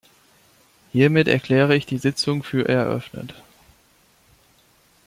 Hiermit erkläre ich die Sitzung für eröffnet.